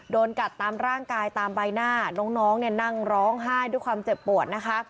โดนกัดตามร่างกายตามใบหน้าน้องเนี่ยนั่งร้องไห้ด้วยความเจ็บปวดนะคะ